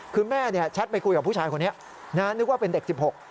คือแม่แชทไปคุยกับผู้ชายคนนี้นึกว่าเป็นเด็ก๑๖